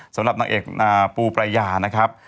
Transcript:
สำหรับนางเอกปูปรายานะครับ